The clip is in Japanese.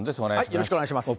よろしくお願いします。